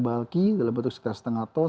balki dalam bentuk sekitar setengah ton